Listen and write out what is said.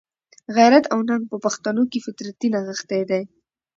غیرت او ننګ په پښتنو کښي فطرتي نغښتی دئ.